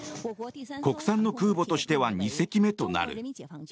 国産の空母としては２隻目となる。